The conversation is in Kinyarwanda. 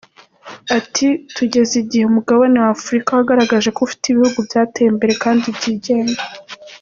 Ati “Tugeze igihe umugabane wa Afurika wagaragaje ko ufite ibihugu byateye imbere kandi byigenga.